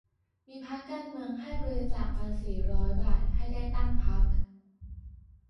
มีพรรคการเมืองให้บริจาคภาษีร้อยบาทให้ได้ตั้ง พรรค